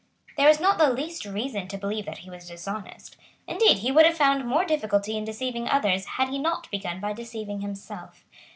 There is not the least reason to believe that he was dishonest. Indeed he would have found more difficulty in deceiving others had he not begun by deceiving himself.